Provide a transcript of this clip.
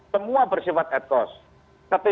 semua bersifat ad cost